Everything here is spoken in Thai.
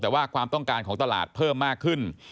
แต่ว่าความต้องการของตลาดเพิ่มมากขึ้น